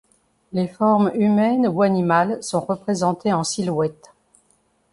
Les formes humaines ou animales sont représentées en silhouette.